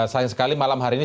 sayang sekali malam hari ini